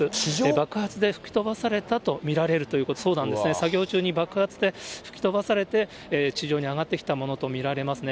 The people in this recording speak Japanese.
爆発で吹き飛ばされたと見られるということ、そうなんですね、作業中に爆発で吹き飛ばされて、地上に上がってきたものと見られますね。